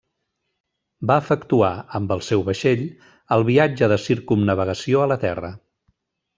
Va efectuar, amb el seu vaixell, el viatge de circumnavegació a la terra.